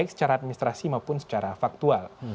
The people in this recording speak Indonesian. baik secara administrasi maupun secara faktual